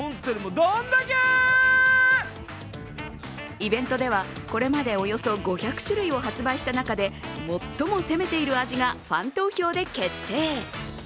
イベントではこれまでおよそ５００種類を発売した中で最も攻めている味がファン投票で決定。